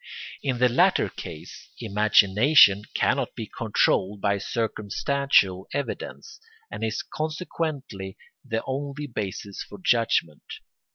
In the latter case imagination cannot be controlled by circumstantial evidence, and is consequently the only basis for judgment.